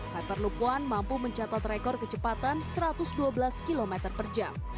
hyperlook one mampu mencatat rekor kecepatan satu ratus dua belas km per jam